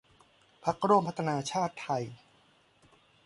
พรรคร่วมพัฒนาชาติไทย